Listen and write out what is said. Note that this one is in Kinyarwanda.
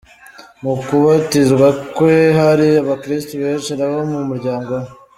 Mu kubatizwa kwe hari abakristo benshi n'abo mu muryango we .